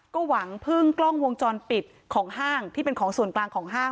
ก็หวังพึ่งกล้องวงจรปิดของห้างที่เป็นของส่วนกลางของห้าง